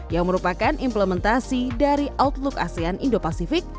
yang merupakan implementasi dari outlook asean indo pasifik